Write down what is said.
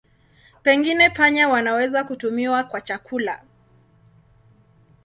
Pengine panya wanaweza kutumiwa kwa chakula.